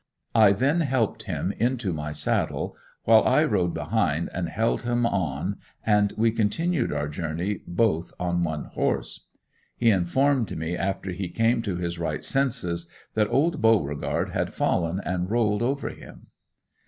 I then helped him into my saddle, while I rode behind and held him on and we continued our journey both on one horse. He informed me after he came to his right senses, that old Beauregard had fallen and rolled over him.